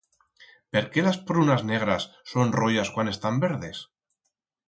Per qué las prunas negras son royas cuan están verdes?